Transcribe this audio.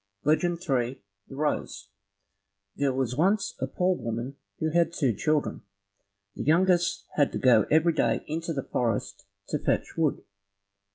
Legend 3 The Rose There was once a poor woman who had two children. The youngest had to go every day into the forest to fetch wood.